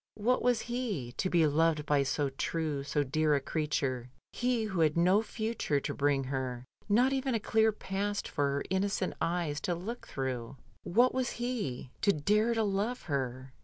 What was he, to be loved by so true, so dear a creature — he who had no future to bring her, not even a clear past for her innocent eyes to look through? What was he, to dare to love her?